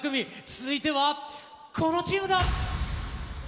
続いては、このチームだ。